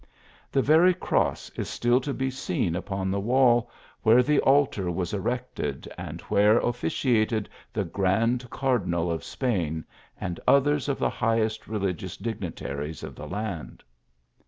The, very cross is still to be seen upon the wall, where the altar was erected, and where officiated the gran* cardinal of Spain, and others of the highest religious dignitaries of the land.